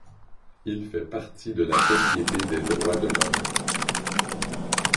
Il fait partie de la Société des Droits de l'Homme.